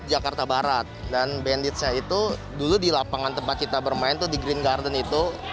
jakarta barat dan banditsnya itu dulu di lapangan tempat kita bermain itu di green garden itu